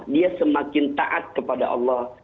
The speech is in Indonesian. dia semakin taat kepada allah